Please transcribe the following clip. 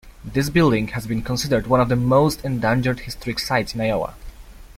This building had been considered one of the most endangered historic sites in Iowa.